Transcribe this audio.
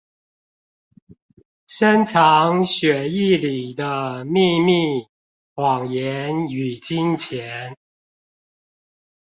深藏血液裡的祕密、謊言與金錢